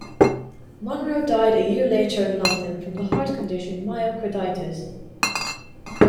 Munro died a year later in London from the heart condition myocarditis.